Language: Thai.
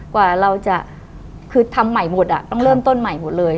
กว่าเราจะคือทำใหม่หมดอ่ะต้องเริ่มต้นใหม่หมดเลย